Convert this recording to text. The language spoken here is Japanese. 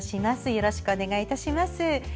よろしくお願いします。